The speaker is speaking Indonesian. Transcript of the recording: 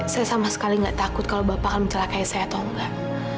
saya sama sekali nggak takut kalau bapak akan mencelakai saya atau enggak